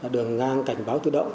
đường ngang cảnh báo tự động